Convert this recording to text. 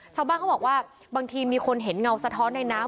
ชาวบ้านเขาบอกว่าบางทีมีคนเห็นเงาสะท้อนในน้ำ